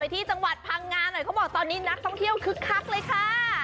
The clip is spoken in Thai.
ที่จังหวัดพังงาหน่อยเขาบอกตอนนี้นักท่องเที่ยวคึกคักเลยค่ะ